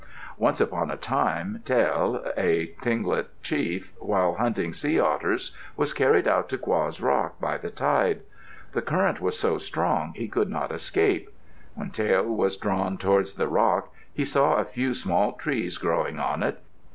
Once upon a time, Tael, a Tlingit chief, while hunting sea otters was carried out to Qa's rock by the tide. The current was so strong he could not escape. When Tael was drawn toward the rock, he saw a few small trees growing on it.